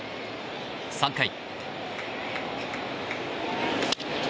３回。